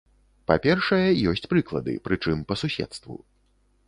Па-першае ёсць прыклады, прычым па суседству.